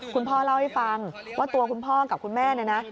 คุณพ่อเล่าให้ฟังว่าตัวคุณพ่อกับคุณแม่เนี่ยนะ